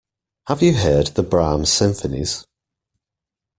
Have you heard the Brahms symphonies?